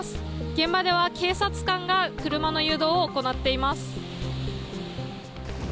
現場では警察官が車の誘導を行っています。